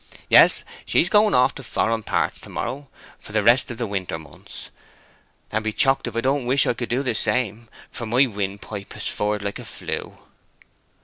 Yes, she's going off to foreign parts to morrow, for the rest of the winter months; and be chok'd if I don't wish I could do the same, for my wynd pipe is furred like a flue."